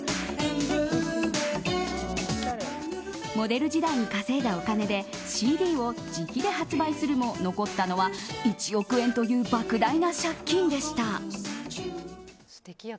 モデル時代に稼いだお金でＣＤを自費で発売するも残ったのは１億円という莫大な借金でした。